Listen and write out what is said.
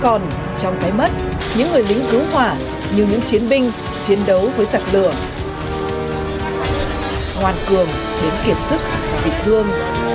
còn trong cái mất những người lính cứu hỏa như những chiến binh chiến đấu với giặc lửa hoàn cường đến kiệt sức và bị thương